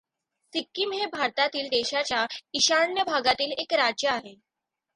सिक्कीम हे भारतातील देशाच्या ईशान्य भागातील एक राज्य आहे.